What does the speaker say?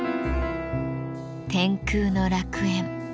天空の楽園。